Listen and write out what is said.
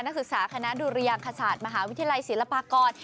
นักศึกษาคณะดุรยางคศาสตร์มหาวิทยาลัยศิลปากร